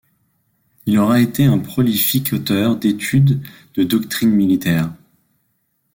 Il aura été un prolifique auteur d’études de doctrine militaire.